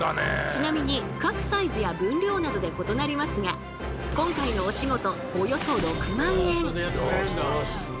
ちなみに描くサイズや分量などで異なりますが今回のお仕事